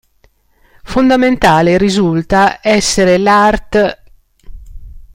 Fondamentale risulta essere l'art.